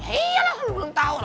iya lah lo belum tau